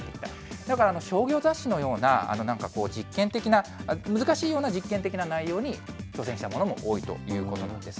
だから商業雑誌のような、なんか実験的な難しいような、実験的な内容に挑戦したものも多いということなんです。